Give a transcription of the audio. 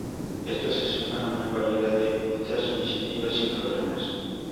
Esto se suma a una variedad de otras iniciativas y programas.